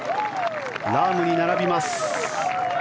ラームに並びます。